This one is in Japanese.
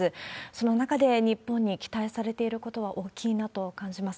その中で、日本に期待されていることは大きいなと感じます。